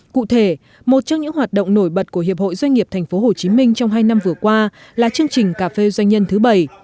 cụ thể một trong những hoạt động nổi bật của hiệp hội doanh nghiệp tp hcm trong hai năm vừa qua là chương trình cà phê doanh nhân thứ bảy